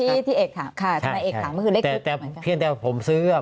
ค่ะทำไมเอกถามมันคือเลขชุดเหมือนกันแต่เพียงแต่ผมซื้ออ่ะ